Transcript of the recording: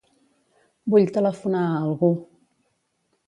Vull telefonar a algú.